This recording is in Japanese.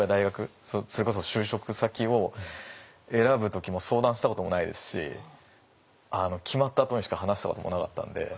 それこそ就職先を選ぶ時も相談したこともないですし決まったあとにしか話したこともなかったので。